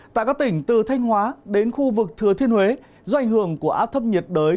tại các tỉnh từ thanh hóa đến khu vực thừa thiên huế do ảnh hưởng của áp thấp nhiệt đới